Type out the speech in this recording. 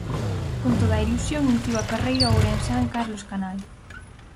Con toda a ilusión iniciou a carreira o ourensán Carlos Canal.